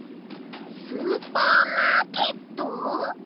スーパーマーケット？